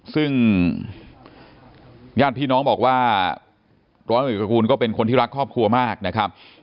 ซึ่งญาติพี่น้องบอกว่าร้อยเอกระกูลก็เป็นคนที่รักครอบครัวมากนะครับ